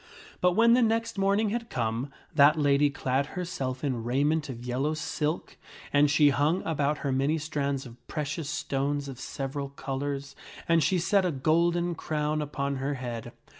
But when the next morning had come, that lady clad herself in raiment of yellow silk, and she hung about her many strands of precious stones of several colors, and she set a golden crown upon her head.